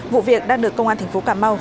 vụ việc đang được công an tp cà mau